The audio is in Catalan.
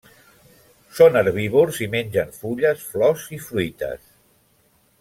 Són herbívors i mengen fulles, flors i fruites.